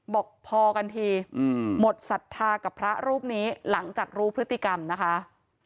บอกพอกันทีหมดศรัทธากับพระรูปนี้หลังจากรู้พฤติกรรมนะคะ